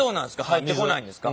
入ってこないんですか？